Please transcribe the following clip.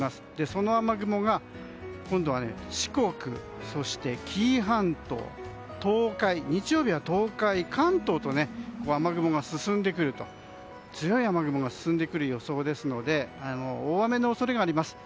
その雨雲が今度は四国、紀伊半島日曜日は東海、関東と強い雨雲が進んでくる予想ですので大雨の恐れがあります。